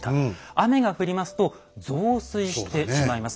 雨が降りますと増水してしまいます。